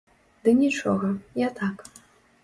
Ды нічога, я так.